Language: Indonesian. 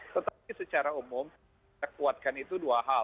tetapi secara umum kita kuatkan itu dua hal